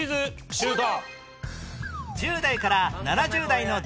シュート！